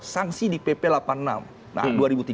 sanksi di pp delapan puluh enam nah dua ribu tiga belas